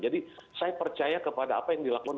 jadi saya percaya kepada apa yang dilakukan